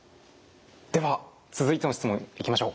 では続いての質問いきましょう。